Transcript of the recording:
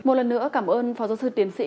một lần nữa cảm ơn phó giáo sư tiến sĩ